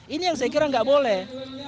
ini yang saya kira nggak boleh